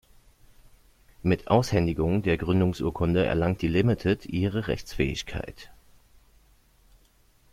Mit Aushändigung der Gründungsurkunde erlangt die Limited ihre Rechtsfähigkeit.